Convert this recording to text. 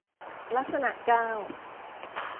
ลักษณะเก้า